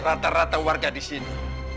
rata rata warga disini